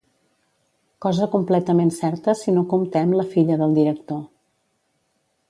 Cosa completament certa si no comptem la filla del director.